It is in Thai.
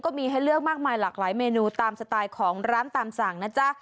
มีให้เลือกมากมายหลากหลายเมนูตามสไตล์ของร้านตามสั่งนะจ๊ะ